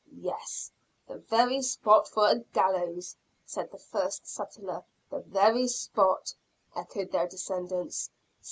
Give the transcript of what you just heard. "Yes, the very spot for a gallows!" said the first settlers. "The very spot!" echoed their descendants.